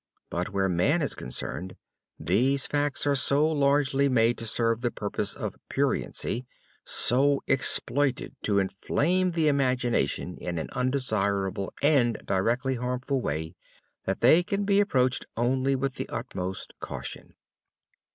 But where man is concerned these facts are so largely made to serve the purposes of pruriency, so exploited to inflame the imagination in an undesirable and directly harmful way that they can be approached only with the utmost caution.